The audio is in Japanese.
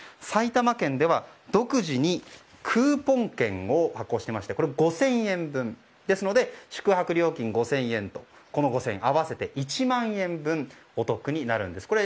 埼玉県では独自にクーポン券を発行していまして５０００円分ですので宿泊料金５０００円と５０００円分、合わせて１万円分お得になるんです。